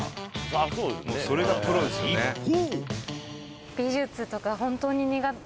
［一方］